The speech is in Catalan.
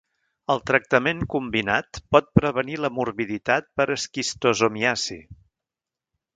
El tractament combinat pot prevenir la morbiditat per esquistosomiasi.